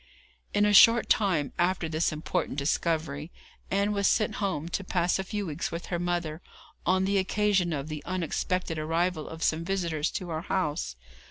In a short time after this important discovery, Ann was sent home to pass a few weeks with her mother, on the occasion of the unexpected arrival of some visitors to our house.